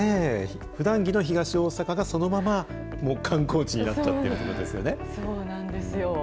ふだん着の東大阪がそのまま観光地になっちゃってるというこそうなんですよ。